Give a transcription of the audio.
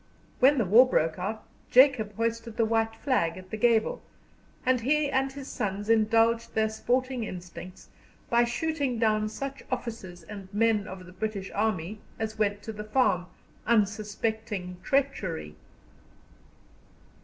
When the war broke out Jacob hoisted the white flag at the gable, and he and his sons indulged their sporting instincts by shooting down such officers and men of the British army as went to the farm, unsuspecting treachery.